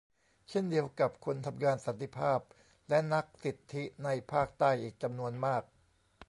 เช่นเดียวกับคนทำงานสันติภาพและนักสิทธิในภาคใต้อีกจำนวนมาก